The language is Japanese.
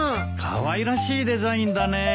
かわいらしいデザインだね。